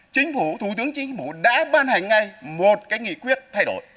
chính phủ thủ tướng chính phủ đã ban hành ngay một cái nghị quyết thay đổi